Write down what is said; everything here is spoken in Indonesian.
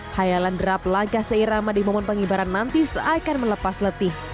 khayalan derap langkah seirama di momen pengibaran nanti seakan melepas letih